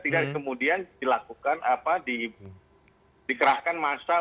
tidak kemudian dilakukan apa dikerahkan masa